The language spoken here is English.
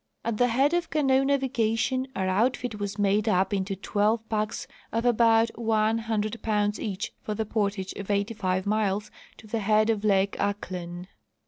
At the head of canoe navigation our outfit was made up into twelve packs of about one hundred pounds each for the portage of eighty five miles to the head of lake Ahklen.